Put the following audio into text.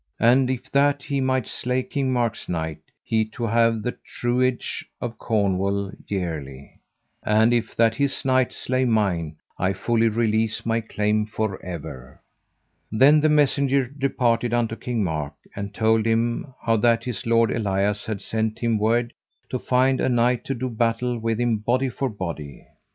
And if that he might slay King Mark's knight, he to have the truage of Cornwall yearly. And if that his knight slay mine, I fully release my claim forever. Then the messenger departed unto King Mark, and told him how that his lord Elias had sent him word to find a knight to do battle with him body for body.